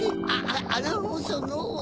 あのその。